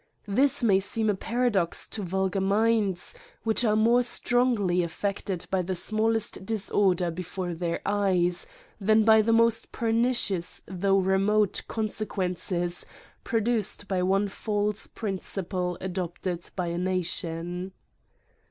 This may seem a paradox to vulgar minds, which are more strongly affected by the smallest disorder before their eyes, than by the most pernicious though remote consequences produced by one false principle adopted by a nation.